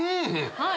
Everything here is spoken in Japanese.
はい。